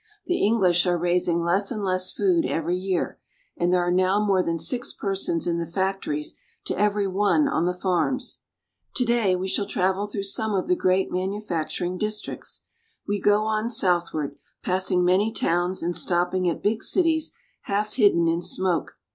The English are raising less and less food every year, and there are now more than six persons in the factories to every one on the farms. To day we shall travel through some of the great manu facturing districts. We go on southward, passing many towns and stopping at big cities half hidden in smoke.